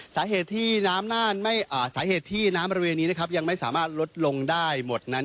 สาเหตุที่น้ำบริเวณนี้ยังไม่สามารถลดลงได้หมดนั้น